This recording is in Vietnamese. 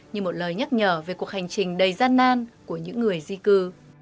như một lời nhắc nhở về cuộc hành trình đầy gian nan của những người di cư